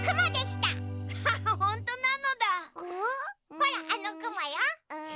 ほらあのくもよ。